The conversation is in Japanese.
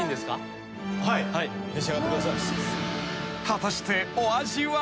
［果たしてお味は］